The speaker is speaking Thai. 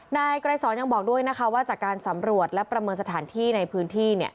นายไกรสอนยังบอกด้วยนะคะว่าจากการสำรวจและประเมินสถานที่ในพื้นที่